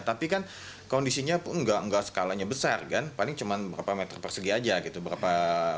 tapi kan kondisinya nggak skalanya besar paling cuma berapa meter persegi saja